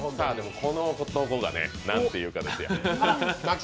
この男が何て言うかですよ。